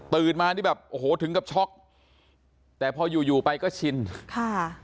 ตื่นมาที่แบบโอ้โหถึงกับช็อกแต่พอยู่ไปก็ชินค่ะ